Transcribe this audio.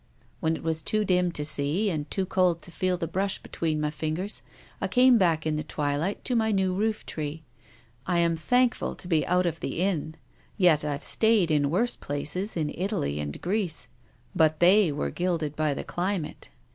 " When it was too dim to see, and too cold to feel the brush between my fingers, I came back in the twilight to my new roof tree. I am thankful to be out of the inn, yet I've stayed in worse places in Italy and Greece. But they were gilded by the climate."